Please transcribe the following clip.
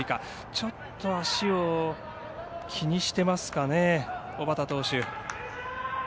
ちょっと足を気にしていますかね小畠投手。